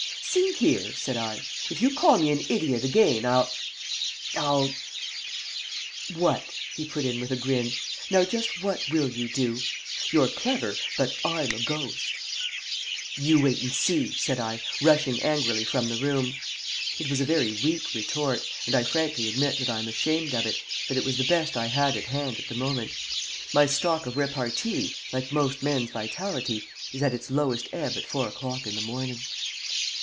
"See here," said I, "if you call me an idiot again, I'll I'll " "What?" he put in, with a grin. "Now just what will you do? You're clever, but I'm a ghost!" [Illustration: "I SHALL KEEP SHOVING YOU FOR EXACTLY ONE YEAR"] "You wait and see!" said I, rushing angrily from the room. It was a very weak retort, and I frankly admit that I am ashamed of it, but it was the best I had at hand at the moment. My stock of repartee, like most men's vitality, is at its lowest ebb at four o'clock in the morning.